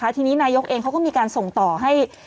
ทีนี้นายกเองเขาก็มีการส่งต่อให้